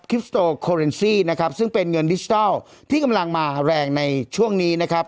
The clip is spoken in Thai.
คลิปสโตโคเรนซี่นะครับซึ่งเป็นเงินดิจิทัลที่กำลังมาแรงในช่วงนี้นะครับ